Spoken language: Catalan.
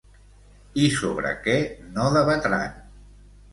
I sobre què no debatran?